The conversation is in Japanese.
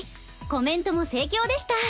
コメントも盛況でした。